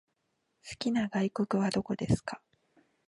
好きな外国はどこですか？